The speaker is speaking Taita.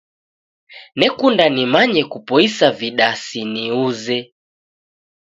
Nekunda nimanye kupoisa vidasi niuze.